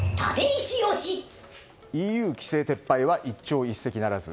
ＥＵ規制撤廃は一朝一夕ならず。